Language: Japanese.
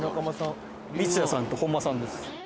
三矢さんと本間さんです